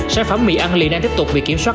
sản phẩm mì ăn liền đang tiếp tục bị kiểm soát